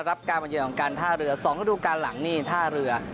รับการประจำของการท่าเรือสองก็ดูกันหลังนี่ท่าเรือ